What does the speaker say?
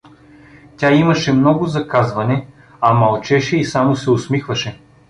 Тя имаше много за казване, а мълчеше и само се усмихваше.